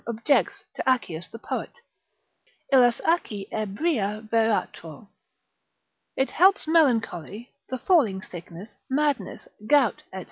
objects to Accius the poet, Illas Acci ebria veratro. It helps melancholy, the falling sickness, madness, gout, &c.